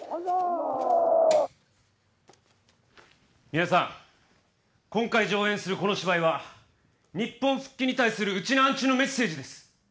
皆さん今回上演するこの芝居は日本復帰に対するウチナンチュのメッセージです。